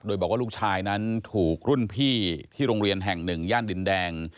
โดยบอกว่าลูกชายนั้นถูกรุ่นพี่ที่โรงเรียนแห่งหนึ่งย่านดินแดง